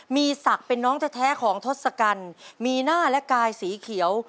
มีศักดิ์เป็นน้องแท้ของทศกัณฐ์มีหน้าและกายสีเขียว